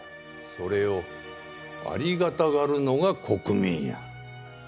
それをありがたがるのが国民や。